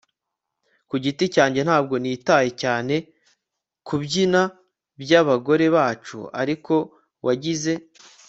ku giti cyanjye, ntabwo nitaye cyane kubyina byabagore bacu ariko wagize